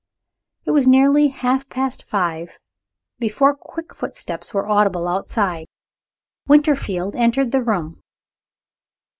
It was nearly half past five before quick footsteps were audible outside. Winterfield entered the room.